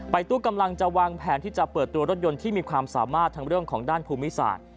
ตู้กำลังจะวางแผนที่จะเปิดตัวรถยนต์ที่มีความสามารถทั้งเรื่องของด้านภูมิศาสตร์